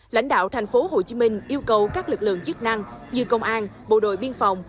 lãnh đạo tp hcm yêu cầu các lực lượng chức năng như công an bộ đội biên phòng